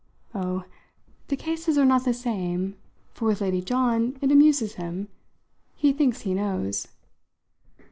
"Oh, the cases are not the same, for with Lady John it amuses him: he thinks he knows."